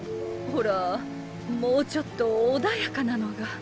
ほらもうちょっと穏やかなのが。